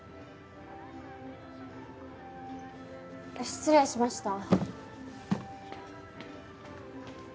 失礼しました。